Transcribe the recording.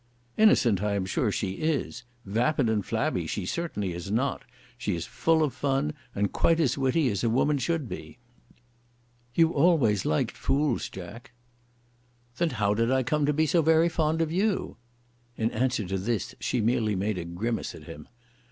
"Innocent I am sure she is. Vapid and flabby she certainly is not. She is full of fun, and is quite as witty as a woman should be." "You always liked fools, Jack." "Then how did I come to be so very fond of you." In answer to this she merely made a grimace at him.